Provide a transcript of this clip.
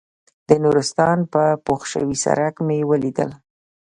د نورستان په پوخ شوي سړک مې ولیدل.